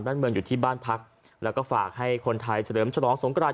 บ้านเมืองอยู่ที่บ้านพักแล้วก็ฝากให้คนไทยเฉลิมฉลองสงกราน